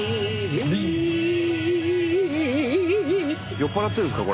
酔っ払ってるんですか？